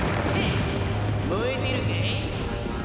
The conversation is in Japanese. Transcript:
燃えてるかい？